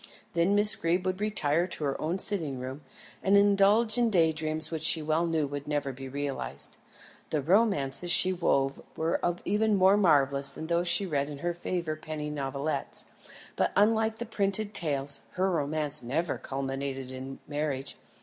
Then Miss Greeb would retire to her own sitting room and indulge in day dreams which she well knew would never be realised. The romances she wove herself were even more marvellous than those she read in her favourite penny novelettes; but, unlike the printed tales, her romance never culminated in marriage.